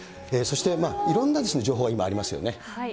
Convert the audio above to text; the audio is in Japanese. そしていろんな情報が今、ありますよね。